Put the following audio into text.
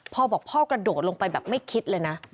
พ่อบอกพ่อกระโดดลงไปแบบไม่คิดเลยนะ